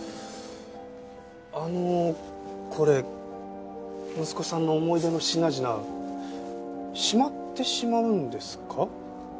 あのこれ息子さんの思い出の品々しまってしまうんですか？